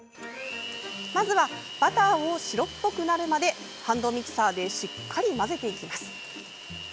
まずはバターを白っぽくなるまでハンドミキサーでしっかり混ぜていきます。